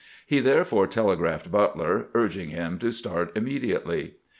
He therefore telegraphed Butler, urging him to start im mediately.